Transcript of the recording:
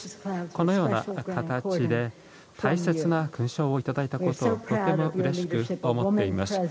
このような形で大切な勲章を頂いたことをとてもうれしく思っています。